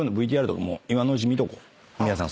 皆さん